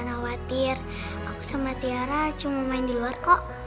khawatir aku sama tiara cuma main di luar kok